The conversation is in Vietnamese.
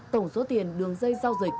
tổng số tiền đường dây giao dịch